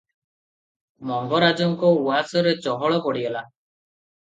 ମଙ୍ଗରାଜଙ୍କ ଉଆସରେ ଚହଳ ପଡିଗଲା ।